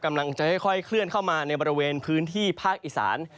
กำลังจะค่อยเคลื่อนเข้ามาในบริเวณพื้นที่ภาคอีสาน